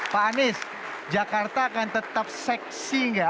pak anies jakarta akan tetap seksi nggak